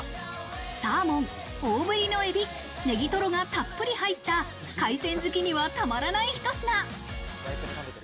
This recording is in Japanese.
サーモ、大ぶりの海老、ネギトロがたっぷり入った海鮮好きにはたまらないひと品。